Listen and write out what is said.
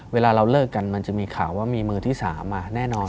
เวลาเราเลิกกันมันจะมีข่าวว่ามีมือที่๓มาแน่นอน